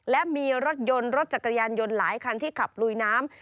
และมีรถยนต์รถจักรยานยนต์หลายคันที่ขับลุยน้ำ